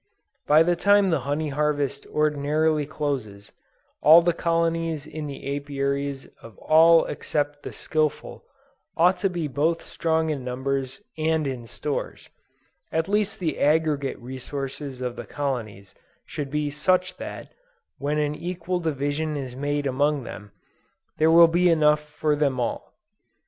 By the time the honey harvest ordinarily closes, all the colonies in the Apiaries of all except the skillful, ought to be both strong in numbers and in stores; at least the aggregate resources of the colonies should be such that when an equal division is made among them, there will be enough for them all.